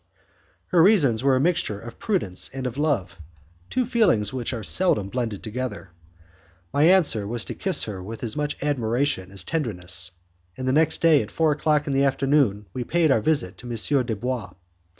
Her reasons were a mixture of prudence and of love, two feelings which are seldom blended together. My answer was to kiss her with as much admiration as tenderness, and the next day at four o'clock in the afternoon we paid our visit to M. Dubois.